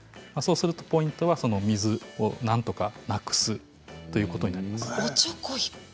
ポイントは水をなんとかなくすということになります。